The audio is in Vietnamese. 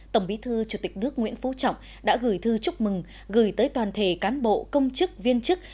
tổng bí thư chủ tịch nước nguyễn phú trọng đã gửi thư chúc mừng gửi tới toàn thể cán bộ công chức viên chức